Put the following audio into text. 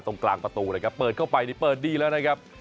ตรงกลางประตูนะครับเปิดเข้าไปนี่เปิดดีแล้วนะครับ